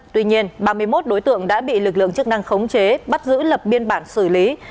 tuy nhiên ba mươi một đối tượng đã bị lực lượng chức năng khống chế bắt giữ lập biên bản xử lý